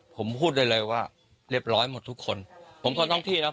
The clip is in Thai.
ผมพูดได้เลยว่าเรียบร้อยหมดทุกคนผมทนท้องที่แล้ว